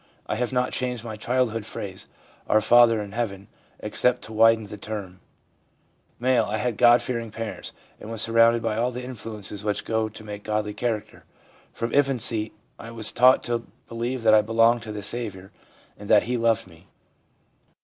I have not changed my childhood phrase, " Our Father in heaven," except to widen the term/ M. ' I had God fearing parents, and was surrounded by all the influences which go to make godly character. From infancy I was taught to believe that I belonged to the Saviour, and that He loved me.